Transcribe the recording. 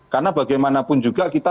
karena bagaimanapun juga kita